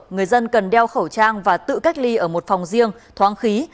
người dân cần đeo khẩu trang và tự cách ly ở một phòng riêng thoáng khí